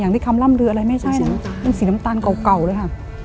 อย่างที่คำล่ำดืออะไรไม่ใช่เนอะเป็นสีน้ำตาลเก่าเลยค่ะ